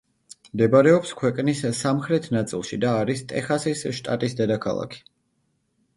მდებარეობს ქვეყნის სამხრეთ ნაწილში და არის ტეხასის შტატის დედაქალაქი.